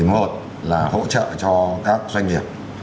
là hỗ trợ cho các doanh nghiệp